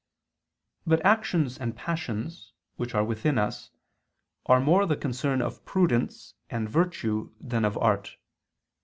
But actions and passions, which are within us, are more the concern of prudence and virtue than of art.